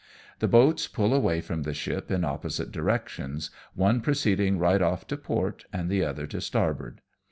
The boats pull away from the ship in opposite directions, one proceeding right off to port, and the other to starboard.